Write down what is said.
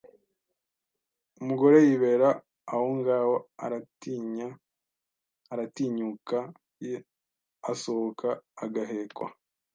Umugore yibera ahongahoaratinyaaratinyukayasohoka agahekwa